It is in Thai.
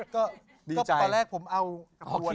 ก็ตอนแรกผมเอากระบวน